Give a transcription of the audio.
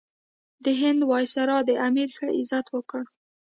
د هند وایسرا د امیر ښه عزت وکړ.